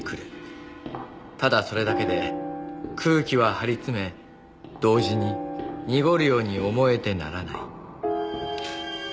「ただそれだけで空気は張り詰め同時に濁るように思えてならない」